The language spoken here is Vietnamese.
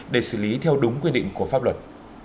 để xử lý theo đúng quy định của pháp luật